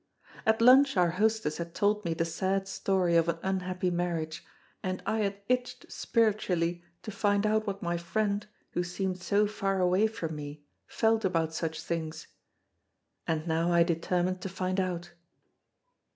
At lunch our hostess had told me the sad story of an unhappy marriage, and I had itched spiritually to find out what my friend, who seemed so far away from me, felt about such things. And now I determined to find out.